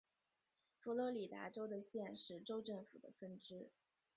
佛罗里达州的县是州政府的分支。